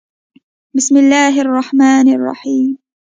بسم الله الرحمن الرحیم